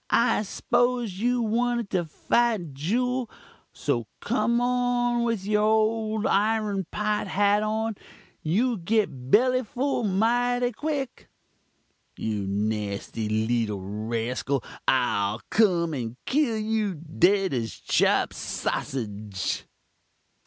I 'sposed you wanted to fite juul so kum on with your old irun pot hat on you'll git belly full mighty quick ' "'You nasty leetle raskul, I'll kum and kill you dead as chopped sassudge.'"